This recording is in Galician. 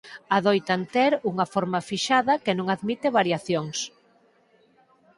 Adoitan ter unha forma fixada que non admite variacións.